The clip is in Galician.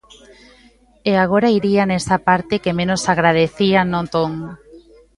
E agora iría nesa parte que menos agradecía no ton.